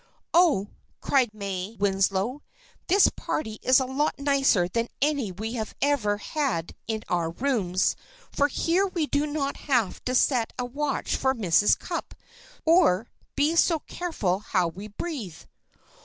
"Oh!" cried May Winslow, "this party is lots nicer than any we ever had in our rooms, for here we do not have to set a watch for Mrs. Cupp, or be so careful how we breathe."